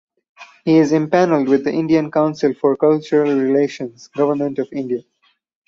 He is empanelled with the Indian Council for Cultural Relations (Government of India).